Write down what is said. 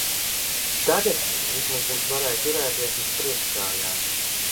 Tagad vismaz viņš varēja turēties uz priekškājām.